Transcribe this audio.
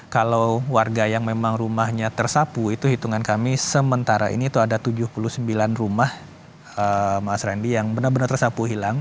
kalau warga yang memang rumahnya tersapu itu hitungan kami sementara ini itu ada tujuh puluh sembilan rumah mas randy yang benar benar tersapu hilang